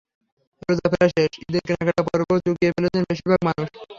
রোজা প্রায় শেষ, ঈদের কেনাকাটার পর্বও চুকিয়ে ফেলেছেন বেশির ভাগ মানুষ।